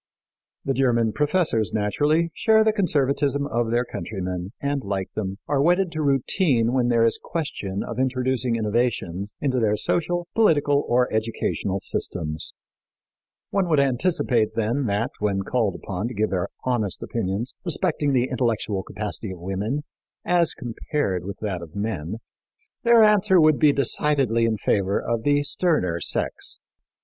The German professors, naturally, share the conservatism of their countrymen, and, like them, are wedded to routine when there is question of introducing innovations into their social, political or educational systems. One would anticipate, then, that, when called upon to give their honest opinions respecting the intellectual capacity of women, as compared with that of men, their answer would be decidedly in favor of the sterner sex.